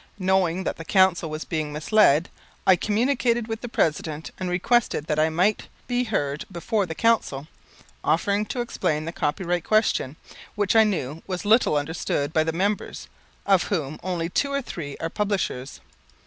Knowing that the Council was being misled, I communicated with the President and requested that I might be heard before the Council, offering to explain the copyright question, which I knew was little understood by the members, of whom only two or three are publishers.